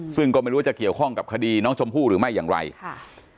ซึ่งก็ไม่รู้ว่าจะเกี่ยวข้องกับคดีน้องชมพู่หรือไม่อย่างไรค่ะ